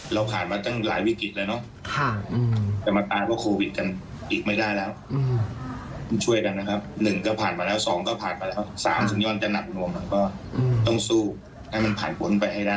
เราผ่านมาตั้งหลายวิกฤตแล้วเนอะจะมาตายเพราะโควิดกันอีกไม่ได้แล้วช่วยกันนะครับ๑ก็ผ่านมาแล้ว๒ก็ผ่านไปแล้ว๓สุดยอดจะหนักหน่วงก็ต้องสู้ให้มันผ่านพ้นไปให้ได้